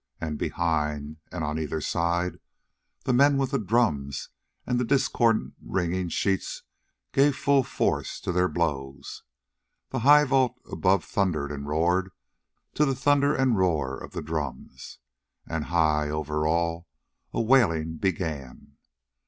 And behind, and on either side, the men with the drums and the discordant, ringing sheets gave full force to their blows. The high vault above thundered and roared to the thunder and roar of the drums. And, high over all, a wailing began.